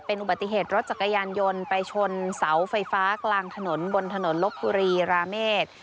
อุบัติเหตุรถจักรยานยนต์ไปชนเสาไฟฟ้ากลางถนนบนถนนลบบุรีราเมษ